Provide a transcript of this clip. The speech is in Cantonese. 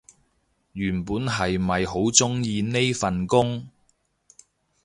原本係咪好鍾意呢份工